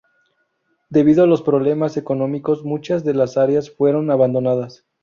Debido a los problemas económicos, muchas de las áreas fueron abandonadas.